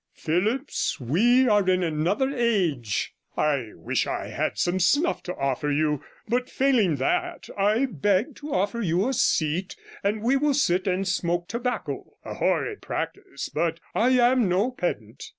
Phillipps, we are in another age. I wish I had some snuff to offer you, but failing that, I beg to offer you a seat, and we will sit and smoke tobacco. A horrid practice, but I am no pedant.'